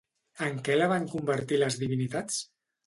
En què la van convertir les divinitats?